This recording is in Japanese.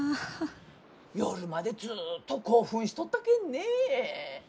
夜までずっと興奮しとったけんね。